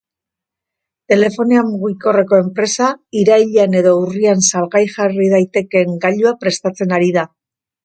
Telefonia mugikorreko enpresa irailean edo urrian salgai jarri daitekeen gailua prestatzen ari da.